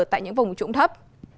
tại những vùng trụng thấp